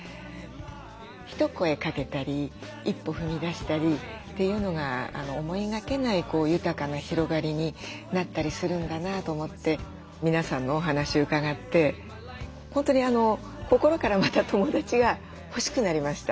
一声かけたり一歩踏み出したりっていうのが思いがけない豊かな広がりになったりするんだなと思って皆さんのお話伺って本当に心からまた友だちが欲しくなりました。